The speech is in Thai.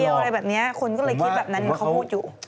คนก็เลยคิดแบบนั้นอย่างเขาพูดอยู่